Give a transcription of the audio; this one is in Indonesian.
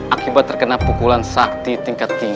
akibat terkena pukulan sakti tingkat tiga